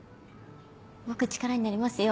「僕力になりますよ」